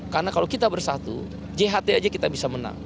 karena kalau kita bersatu jht saja kita bisa menang